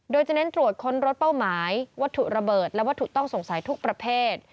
โดยจะเน้นตรวจค้นรถเป้าหมายวัตถุระเบิดและวัตถุต้องสงสัยทุกประเภท